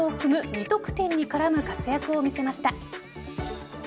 ２得点に絡む活躍を見せました。